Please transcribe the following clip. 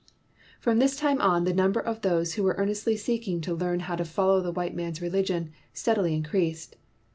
From this time on, the number of those who were earnestly seeking to learn how to follow the white man's religion steadily in creased.